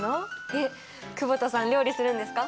えっ久保田さん料理するんですか？